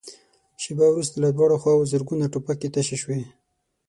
شېبه وروسته له دواړو خواوو زرګونه ټوپکې تشې شوې.